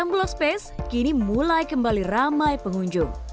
m blok space kini mulai kembali ramai pengunjung